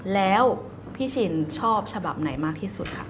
แล้วผู้ชินชอบฉบับไหนมากที่สุด